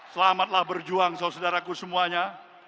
selamatlah berjuang saudaraku semuanya